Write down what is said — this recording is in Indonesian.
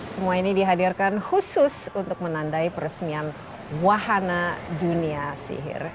semua ini dihadirkan khusus untuk menandai peresmian wahana dunia sihir